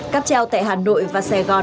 cắp treo tại hà nội và sài gòn